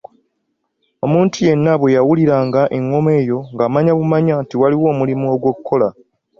Omuntu yenna bwe yawuliranga engoma eyo ng'amanya bumanya nti waliwo omulimu ogw'okukola.